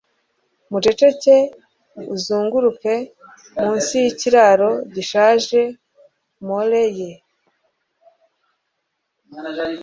Muceceke uzunguruke munsi yikiraro gishaje moire ye